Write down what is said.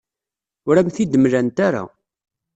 Ur am-t-id-mlant ara.